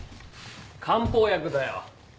漢方薬だよ。